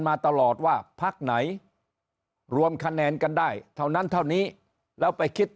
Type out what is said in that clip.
มาตลอดว่าพักไหนรวมคะแนนกันได้เท่านั้นเท่านี้แล้วไปคิด